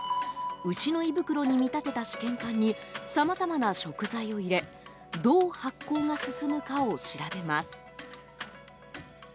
牛の胃袋に見立てた試験官にさまざまな食材を入れどう発酵が進むかを調べます。